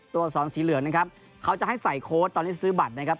อักษรสีเหลืองนะครับเขาจะให้ใส่โค้ดตอนนี้ซื้อบัตรนะครับ